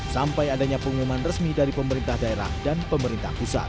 sampai adanya pengumuman resmi dari pemerintah daerah dan pemerintah pusat